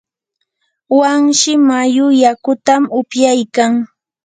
wanshi mayu yakutam upyaykan.